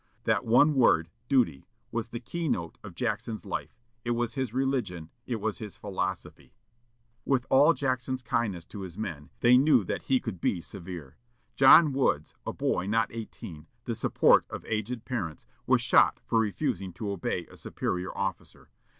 That one word, "duty," was the key note of Jackson's life. It was his religion it was his philosophy. With all Jackson's kindness to his men, they knew that he could be severe. John Woods, a boy not eighteen, the support of aged parents, was shot for refusing to obey a superior officer.